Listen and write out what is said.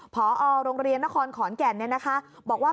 พอโรงเรียนนครขอนแก่นบอกว่า